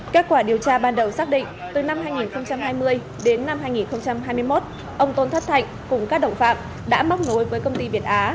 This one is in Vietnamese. kết quả điều tra ban đầu xác định từ năm hai nghìn hai mươi đến năm hai nghìn hai mươi một ông tôn thất cùng các đồng phạm đã móc nối với công ty việt á